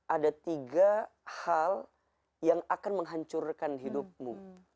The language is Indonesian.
ada tiga hal yang akan menghancurkan hidupmu